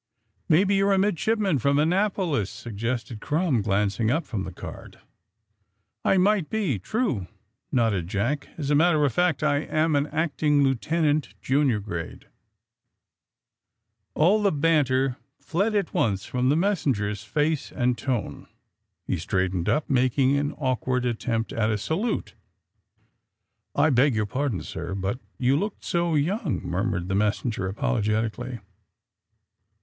AND THE SMUGGLERS 9 Maybe, you're a midshipman, from Annap olis T' suggested Krunnn, glancing up from the card. *^ I might be — true, ^' nodded Jack. '* As a mat ter of fact I am an acting lieutenant, junior grade." All the banter fled at once from the messen ger 's face and tone. He straightened up, mak ing an awkward attempt at a salute. *^I beg your pardon, sir, but you looked so young," murmured the messenger apologetic ally.